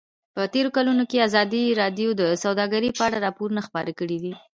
په تېرو کلونو کې ازادي راډیو د سوداګري په اړه راپورونه خپاره کړي دي.